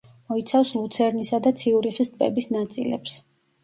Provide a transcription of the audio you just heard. მოიცავს ლუცერნისა და ციურიხის ტბების ნაწილებს.